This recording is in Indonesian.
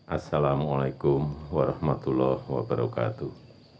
assalamu'alaikum warahmatullahi wabarakatuh